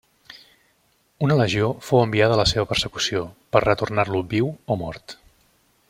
Una legió fou enviada a la seva persecució, per retornar-lo viu o mort.